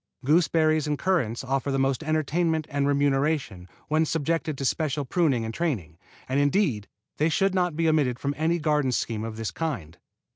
Gooseberries and currants offer the most entertainment and remuneration when subjected to special pruning and training, and indeed they should not be omitted from any garden scheme of this kind.